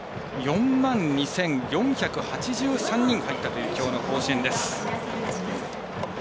４万２４８３人入ったというきょうの甲子園です。